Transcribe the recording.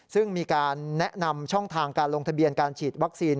ซึ่งมีการแนะนำช่องทางการลงทะเบียนการฉีดวัคซีน